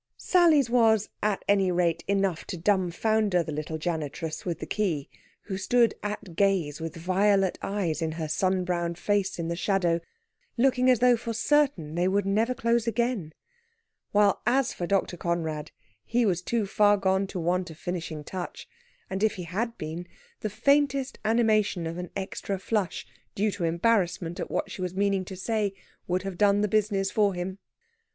Sally's was, at any rate, enough to dumbfounder the little janitress with the key, who stood at gaze with violet eyes in her sunbrowned face in the shadow, looking as though for certain they would never close again; while, as for Dr. Conrad, he was too far gone to want a finishing touch, and if he had been, the faintest animation of an extra flush due to embarrassment at what she was meaning to say would have done the business for him.